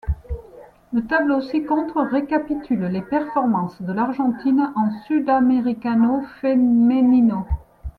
Le tableau ci-contre récapitule les performances de l'Argentine en Sudamericano Femenino.